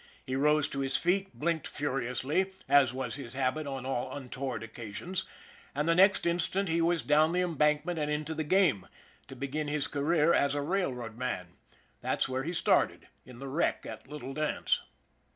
He rose to his feet, blinked furiously, as was his habit on all untoward occasions, and the next instant he was down the embankment and into the game to begin his career as a railroad man. That's where he started in the wreck at Little Dance.